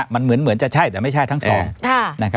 มันเหมือนจะใช่แต่ไม่ใช่ทั้งสอง